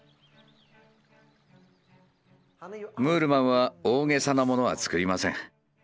ムールマンは大げさなものはつくりません。